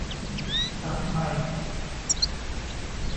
ศัพท์ใหม่